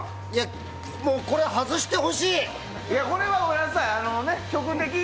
これ、外してほしいよ！